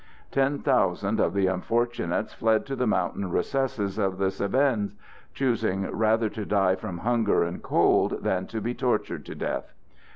Ten thousand of the unfortunates fled to the mountain recesses of the Cevennes, choosing rather to die from hunger and cold than to be tortured to death.